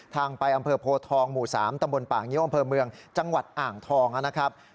ทางไปอำเภอโพทองหมู่๓ตำบลป่างิ้วอำเภอเมืองจังหวัดอ่างทองนะครับ